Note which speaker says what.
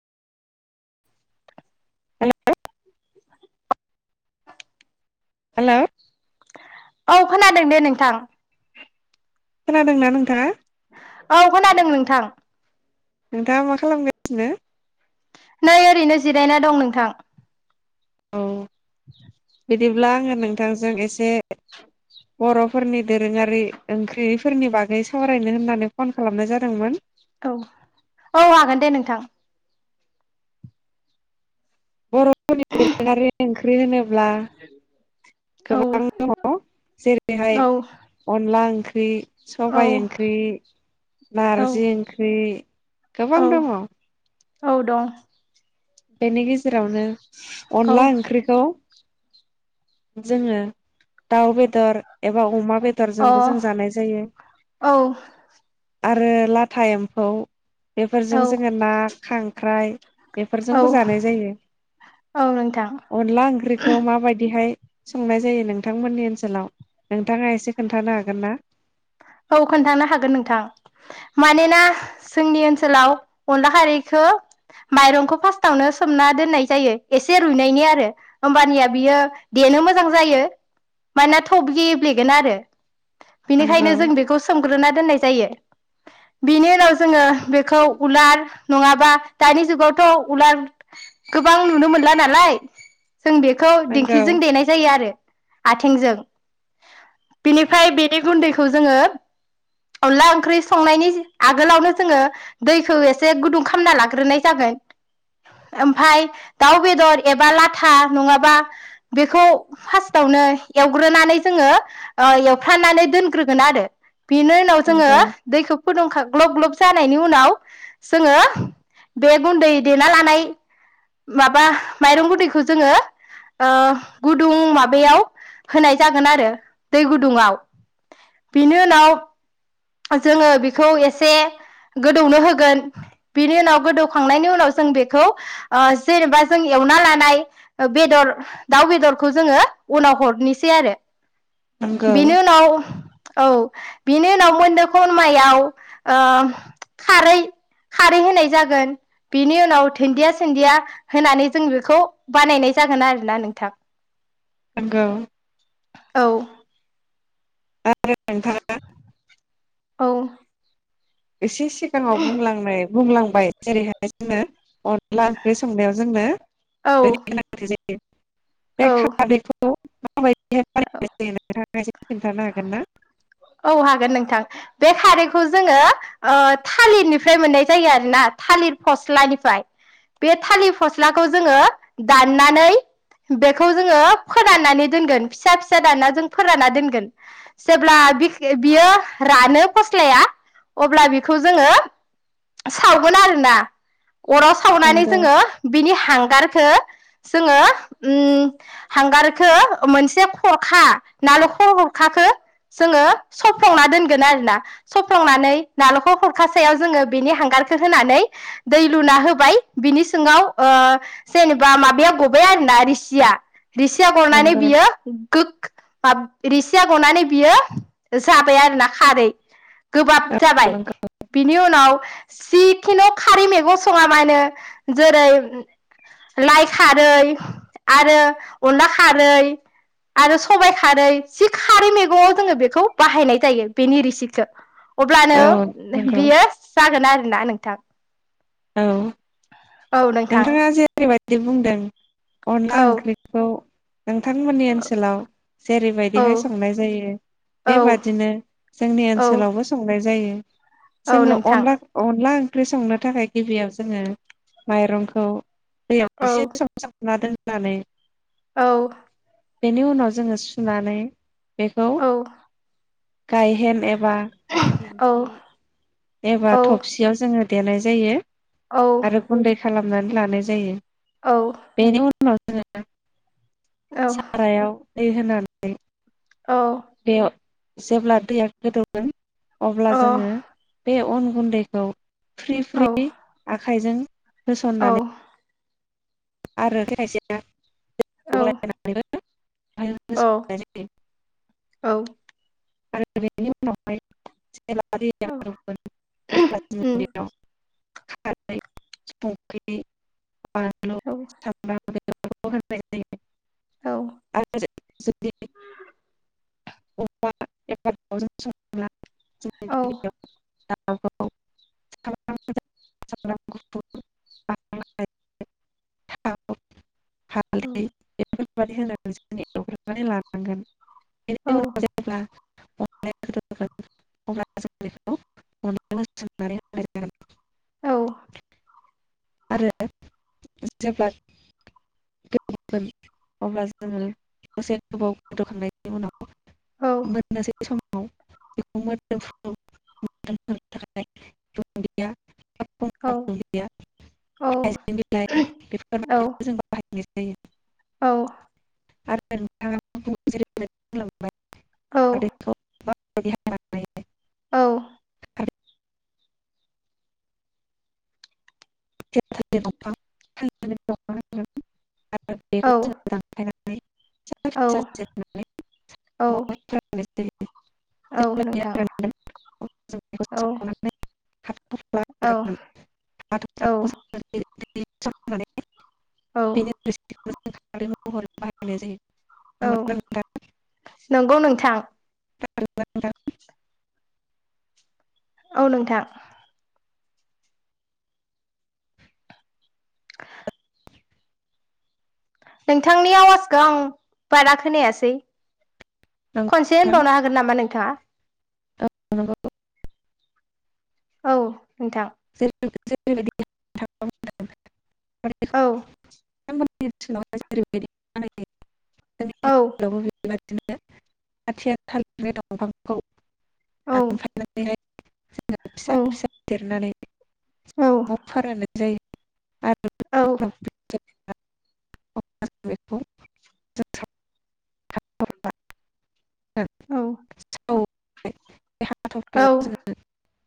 Speaker 1: हेल' hello
Speaker 2: औ खोनादों दे नोंथां
Speaker 1: खोनादोंना नोंथाङा
Speaker 2: औ खोनादों नोंथां
Speaker 1: दा मा खालामगासिनो
Speaker 2: नै ओरैनो जिरायना दं नोंथां
Speaker 1: औ बिदिब्ला आङो नोंथांजों एसे बरफोरनि दोरोङारि ओंख्रिफोरनि बागै सावरायनो होननानै फन खालामनाय जादोंमोन।
Speaker 2: औ औ हागोन दे नोंथां
Speaker 1: बरनिफोरनि दोरोङारि ओंख्रि होनो ब्ला
Speaker 2: औ
Speaker 1: गोबां दङ जेरैहाय अनला ओं बे
Speaker 2: औ
Speaker 1: सबाय ओंख्रि
Speaker 2: औ
Speaker 1: नारजि ओंख्रि गोबां
Speaker 2: औ
Speaker 1: दङ
Speaker 2: औ दं
Speaker 1: बेनि गेजेरावनो
Speaker 2: औ
Speaker 1: अनला ओंख्रिखौ जोङो दाउ बेदर एबा अमा
Speaker 2: अ
Speaker 1: बेदरजोंबो जों जानाय जायो।
Speaker 2: औ
Speaker 1: आरो लाथा एम्फौ बेफोरजों
Speaker 2: औ
Speaker 1: जोङो ना खांख्राइ बेफोरजोंबो
Speaker 2: औ
Speaker 1: जानाय जायो
Speaker 2: औ नोंथां
Speaker 1: अनला ओंख्रिखौ माबायदिहाय संनाय जायो नोंथांमोननि ओनसोलाव नोंथाङा एसे खोन्थानो हागोन ना?
Speaker 2: औ खोन्थानो हागोन नोंथां मानोना जोंनि ओनसोलाव अनला खारैखो माइरंखौ फार्स्टावनो सोमना दोननाय जायो एसे रुइनायनि आरो होमबानिया बियो देनो मोजां जायो मानोना थब गेब्लेगोन आरो बेनिखायनो
Speaker 1: नंगौ
Speaker 2: जों बेखौ सोमग्रोना दोननाय जायो बेनि उनाव जोङो बेखौ उलार नङाबा दानि जुगावथ' उलार गोबां नुनो मोनला नालाय जों बेखौ
Speaker 1: नंगौ
Speaker 2: दिंखिजों देनाय जायो आरो आथिंजों बिनिफ्राय बेनि गुन्दै खौ जोङो अनला ओंख्रि संनायनि आगोलावनो जोङो दैखौ एसे गुदुं खालामना लाग्रोनाय जागोन ओमफाय दाउ बेदर एबा लाथा नङाबा बेखौ फारस्टावनो एवग्रोनानै जोङो एवफ्रामनानै दोनग्रो गोन आरो बेनि उनाव जोङो
Speaker 1: नंगौ
Speaker 2: दैखौ फुदुं ग्लब-ग्लब जानायनि उनाव जोङो बे गुन्दै देना लानाय माबा माइरं गुनदैखौ जोङो ओ गुदुं माबायाव होनाय जागोन आरो दै गुदुङाव बिनि उनाव जोङो बेखौ एसे गोदौनो होगोन बेनि उनाव गोदौखांनायनि उनाव जों बेखौ ओजेनेबा जों एवना लानाय बेदर दाउ बेदरखौ जोङो उनाव हरनोसै आरो
Speaker 1: नंगौ
Speaker 2: बिनि उनाव औ बिनि उनाव मोन खमायाव ओ खारै खारै होनाय जागोन बेनि उनाव दुन्दिया सुन्दिया होनानै जों बेखौ बानायनाय जागोन आरोना नोंथां
Speaker 1: नंगौ
Speaker 2: औ
Speaker 1: [inaudible]
Speaker 2: औ
Speaker 1: एसे सिगाङाव बुंलांनाय बुंलांबाय जेरैहाय जोंङो अनला ओंख्रि संनायाव जोंनो
Speaker 2: औ
Speaker 1: [inaudible]
Speaker 2: औ
Speaker 1: [inaudible] [inaudible] [inaudible] एसे खोन्थानोहागोन ना
Speaker 2: औ हागोन नोंथां बे खारैखौ जोङो ओ थालिरनिफ्राय मोननाय जायो आरोना थालिर फस्लानिफ्राय बे थालिर फस्लाखौ जोङो दाननानै बेखौ जोङो फोराननानै दोनगोन फिसा-फिसा दानना जों फोरानना दोनगोन जेब्ला बियो रानो फस्लाया अब्ला बेखौ जोङो सावगोन आरोना अराव सावनानै
Speaker 1: नंगौ
Speaker 2: जोङो बिनि हांगार खो जोङो ओ हांगारखो मोनसे खरखा नालेंखर खरखाखो जोङो सफ्लंना दोनगोन आरोना सफ्लंनानै नालेंखर खरखासायाव जोङो बेनि हांगारखो होनानै दै लुना होबाय बिनि सिङाव जेनेबा ओ माबाया गबाय आरोना रिसिया रिसिया गनानै
Speaker 1: नंगौ
Speaker 2: बियो गो बाब रिसिया गनानै बियो जाबाय आरोना खारै गोबाब जाबाय
Speaker 1: औ
Speaker 2: बिनि उनाव जिखुनु खारै मैगं सङा मा होनो जेरै लाइ खारै आरो अनला खारै आरो सबाय खारै जि खारै मैगङआव जोङो बेखौ बाहायनाय जायो बेनि रिसिखो अब्लानो
Speaker 1: औ नंगौ
Speaker 2: बियो जागोन आरो ना नोंथां
Speaker 1: औ
Speaker 2: औ नोंथां
Speaker 1: नोंथाङा जेरै बाय दि बुंदों अनला
Speaker 2: औ
Speaker 1: ओंख्रिखौ नोंथांमोननि ओनसोलाव
Speaker 2: औ
Speaker 1: जेरैबायदिहाय संनाय जायो
Speaker 2: औ
Speaker 1: बेबादिनो जोंनि
Speaker 2: औ
Speaker 1: ओनसोलावबो संनाय जायो। [unintelligible]
Speaker 2: औ
Speaker 1: जोङो
Speaker 2: नोंथां
Speaker 1: अनला अनला ओंख्रि संनो थाखाय गिबियाव जोङो माइरंखौ दैयाव
Speaker 2: औ
Speaker 1: एसे सं संना दोन नानै
Speaker 2: औ
Speaker 1: बेनो उनाव जोङो सुनानै बेखौ
Speaker 2: औ
Speaker 1: गायहेन एबा
Speaker 2: औ
Speaker 1: दिंखि एबा
Speaker 2: औ
Speaker 1: थबसियाव जोङो देनाय जायो
Speaker 2: औ
Speaker 1: आरो गुन्दै खालामनानै लानाय जायो
Speaker 2: औ
Speaker 1: बेनि उनाव जोङो सारायाव दै होनानै
Speaker 2: औ
Speaker 1: बेयाव जेब्ला दैया गोदौगोन अब्ला
Speaker 2: अ
Speaker 1: जोङो बे अन गुन्दैखौ फ्रि
Speaker 2: औ नोंथां
Speaker 1: फ्रि आग खाइजों होस'ननानै आरो खायसेया
Speaker 2: औ
Speaker 1: [inaudible] आ [inaudible] आरो ओरैनि उनावहाय [inaudible] [inaudible]
Speaker 2: औ
Speaker 1: [inaudible] आरो [inaudible] [inaudible]
Speaker 2: औ
Speaker 1: [inaudible] [inaudible] [inaudible] मानि होनांगोन जों एवग्रोनानै लानांगोन [inaudible] [inaudible]
Speaker 2: औ
Speaker 1: आरो जेब्ला गोमोन अब्ला जोङो दसे गोबाव गोदोखांनायनि उनाव बदसै सम [inaudible] [inaudible] साब' गैया [inaudible] [inaudible] [inaudible]
Speaker 2: औ
Speaker 1: [inaudible] [inaudible] [inaudible] [inaudible] [inaudible] [inaudible] [inaudible] [inaudible] [inaudible] [unintelligible]
Speaker 2: औ
Speaker 1: जेब्ला बेयो
Speaker 2: नोंथां
Speaker 1: रानगोन अब्ला जों बेखौ
Speaker 2: औ
Speaker 1: सावनानै हाथ'फ्ला
Speaker 2: औ।
Speaker 1: गारगोन
Speaker 2: औ।
Speaker 1: हाथ'फ्लाखौ [inaudible] [inaudible] [inaudible]
Speaker 2: औ
Speaker 1: महरै बाहायनाय जायो।
Speaker 2: औ
Speaker 1: नंगौना नोंथां
Speaker 2: नोंगौ नोंथां।
Speaker 1: [inaudible]
Speaker 2: औ नोंथां। [unintelligible] नोंथांनि आवाजखौ आं बारा खोनायासै
Speaker 1: नंगौ
Speaker 2: खनसे
Speaker 1: नोंथां
Speaker 2: होनबावनो हागोन नामा नोंथाङा?
Speaker 1: [inaudible]
Speaker 2: औ। नोंथां।
Speaker 1: [inaudible]
Speaker 2: औ
Speaker 1: [inaudible] [inaudible] दानफायनानै
Speaker 2: औ
Speaker 1: हाय [inaudible] जोङो
Speaker 2: औ
Speaker 1: फिसा फिसा
Speaker 2: औ
Speaker 1: जेरनानै
Speaker 2: औ
Speaker 1: बाव फोरानो जायो आरो
Speaker 2: औ
Speaker 1: [unintelligible] [unintelligible] हाथ'फ्ला
Speaker 2: औ
Speaker 1: [unintelligible] बे हाथफ्लायाव
Speaker 2: औ
Speaker 1: जोङो